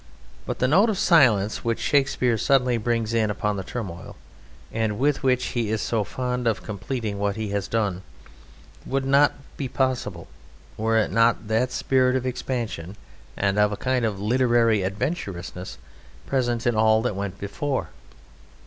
But the note of silence which Shakespeare suddenly brings in upon the turmoil, and with which he is so fond of completing what he has done, would not be possible were not that spirit of expansion and of a kind of literary adventurousness present in all that went before.